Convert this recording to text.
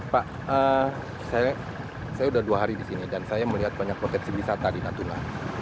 pak saya sudah dua hari di sini dan saya melihat banyak potensi wisata di natuna